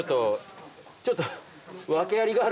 ちょっと。